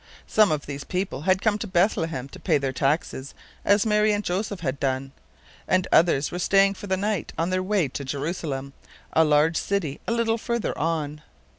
Some of these people had come to Bethlehem to pay their taxes, as Mary and Joseph had done, and others were staying for the night on their way to Jerusalem, a large city a little further on.